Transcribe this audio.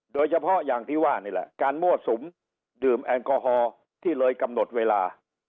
โดยเฉพาะอย่างที่ว่านี่แหละการมั่วสุมดื่มแอลกอฮอล์ที่เลยกำหนดเวลา